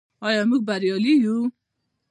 آیا موږ بریالي یو؟